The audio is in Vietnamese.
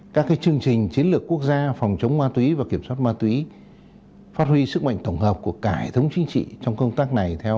các chương trình chiến lược quốc gia phòng chống ma túy và kiểm soát ma túy phát huy sức mạnh tổng hợp của cả hệ thống chính trị trong công tác này